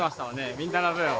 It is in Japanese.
みんなの分を。